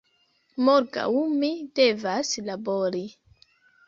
Morgaŭ mi devas labori"